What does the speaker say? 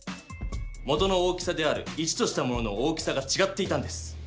元の大きさである１としたものの大きさがちがっていたんです。